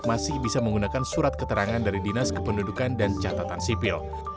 masih bisa menggunakan surat keterangan dari dinas kependudukan dan catatan sipil